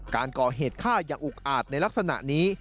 การก่อเหตุฆ่าอย่าอุกอาจในลักษณะนี้